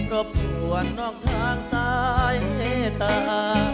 รบชวนนอกทางสายเฮตา